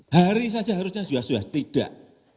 hari saja harusnya juga sudah tidak